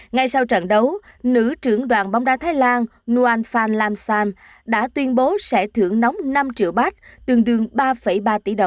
ngay sau trận đấu nữ trưởng đoàn bóng đá thái lan nguyen phan lam sam đã tuyên bố sẽ thưởng nóng năm triệu baht